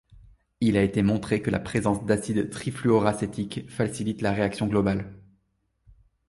Il a été montré que la présence d'acide trifluoroacétique facilite la réaction globale.